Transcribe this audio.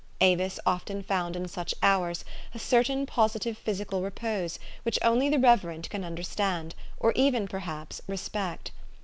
Avis often found in such hours a certain positive physical repose, which only the reverent can understand, or even, perhaps, respect.